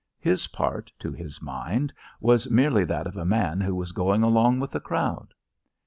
His part, to his mind, was merely that of a man who was going along with the crowd.